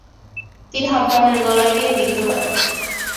তীর হাব্বানের গলায় গিয়ে বিদ্ধ হয়।